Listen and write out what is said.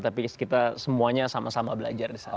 tapi kita semuanya sama sama belajar disana